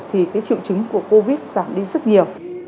thì cái triệu chứng của covid giảm đi rất nhiều